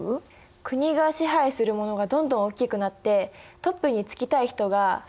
国が支配するものがどんどんおっきくなってトップに就きたい人が反乱を起こしたとか。